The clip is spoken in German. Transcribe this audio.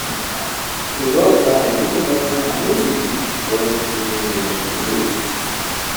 Wir sollten daher junge Menschen ermutigen, solche Studiengänge zu belegen.